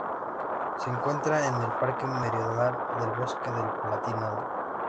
Se encuentra en la parte meridional del Bosque del Palatinado.